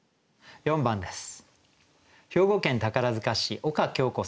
４番です。